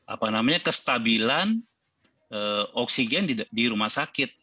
apa namanya kestabilan oksigen di rumah sakit